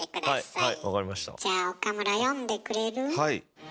はい。